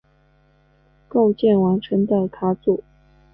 构建完成的卡组。